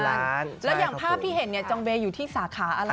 แล้วอย่างภาพที่เห็นเนี่ยจองเวย์อยู่ที่สาขาอะไร